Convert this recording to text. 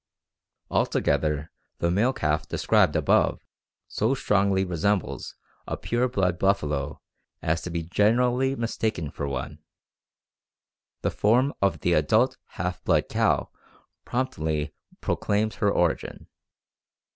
Altogether, the male calf described above so strongly resembles a pure blood buffalo as to be generally mistaken for one; the form of the adult half blood cow promptly proclaims her origin.